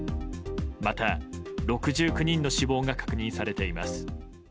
また６９人の死亡が確認されています。